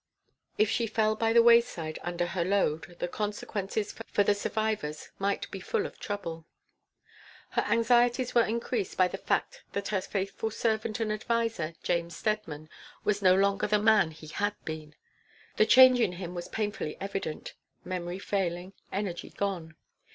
If she fell by the wayside under her load the consequences for the survivors might be full of trouble. Her anxieties were increased by the fact that her faithful servant and adviser, James Steadman, was no longer the man he had been. The change in him was painfully evident memory failing, energy gone.